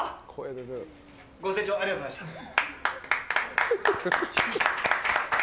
ご清聴ありがとうございました。